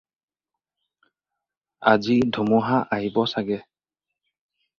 আজি ধুমুহা আহিব চাগে।